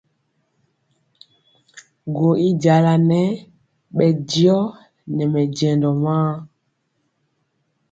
Gɔ y jala nɛɛ bɛ diɔ nɛ mɛjɛndɔ maa.